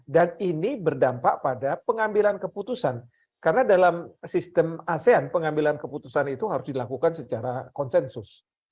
dan ini berdampak pada pengambilan keputusan karena dalam sistem pemimpinan asean ini berdampak pada pengambilan keputusan karena dalam sistem pemimpinan asean ini berdampak pada pengambilan keputusan karena dalam sistem